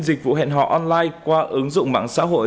dịch vụ hẹn họ online qua ứng dụng mạng xã hội